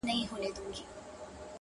• نه مي قسمت, نه مي سبا پر ژبه زېرئ لري,